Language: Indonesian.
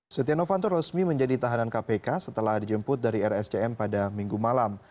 setia novanto resmi menjadi tahanan kpk setelah dijemput dari rscm pada minggu malam